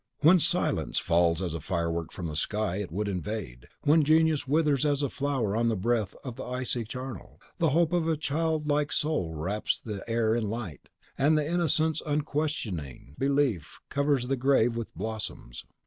When Science falls as a firework from the sky it would invade; when Genius withers as a flower in the breath of the icy charnel, the hope of a child like soul wraps the air in light, and the innocence of unquestioning Belief covers the grave with blossoms.